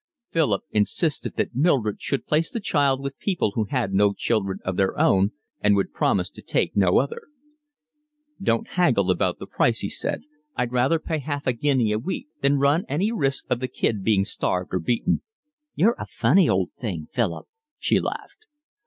Philip insisted that Mildred should place the child with people who had no children of their own and would promise to take no other. "Don't haggle about the price," he said. "I'd rather pay half a guinea a week than run any risk of the kid being starved or beaten." "You're a funny old thing, Philip," she laughed.